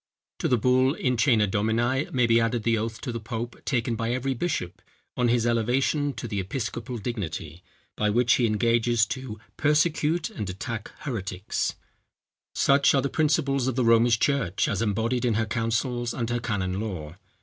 To the bull In Cœna Domini may be added the oath to the pope taken by every bishop on his elevation to the episcopal dignity, by which he engages to persecute and attack heretics. Such are the principles of the Romish church as embodied in her councils and her canon law.